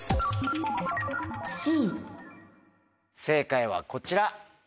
正解はこちら。